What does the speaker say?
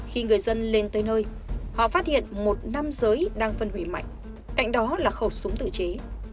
khi người dân lên tới nơi họ phát hiện một nam giới đang phân hủy mạnh cạnh đó là khẩu súng tự chế